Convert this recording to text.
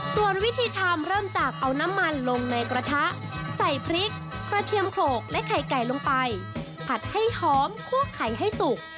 ส่วนวิธีทำเริ่มจากเอาน้ำมันลงในกระทะใส่พริกกระเทียมโขลกและไข่ไก่ลงไปผัดให้หอมคั่วไข่ให้สุก